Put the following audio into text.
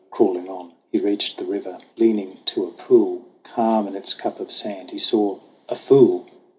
Crawling on, He reached the river. Leaning to a pool Calm in its cup of sand, he saw a fool